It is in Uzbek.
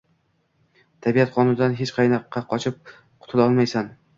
Tabiat qonunidan hech qayoqqa qochib qutula olmaysan